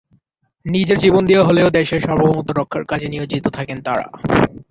নিজের জীবন দিয়ে হলেও দেশের সার্বভৌমত্ব রক্ষার কাজে নিয়েজিত থাকেন তাঁরা।